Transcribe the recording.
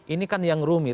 ini kan yang rumit